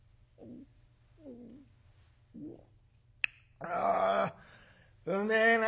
「あうめえな。